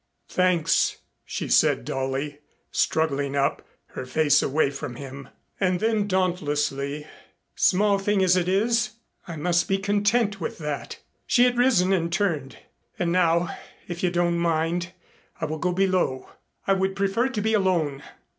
"Thanks," she said dully, struggling up, her face away from him. And then dauntlessly, "Small a thing as it is, I must be content with that." She had risen and turned, "And now, if you don't mind, I will go below. I would prefer to be alone.